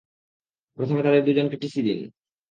প্রথমে তাদের দুজনকে টিসি দিন।